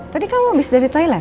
tadi kamu habis dari thailand